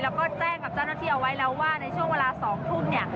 แล้วก็แจ้งกับเจ้าหน้าที่เอาไว้แล้วว่าในช่วงเวลา๒ทุ่มเนี่ย